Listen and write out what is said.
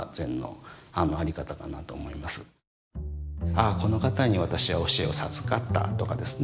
「ああこの方に私は教えを授かった」とかですね